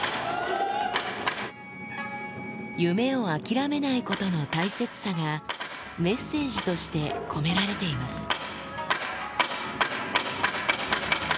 夢を諦めないことの大切さが、メッセージとして込められています。